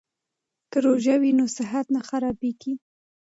که روژه وي نو صحت نه خرابیږي.